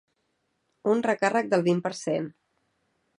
Un recàrrec del vint per cent.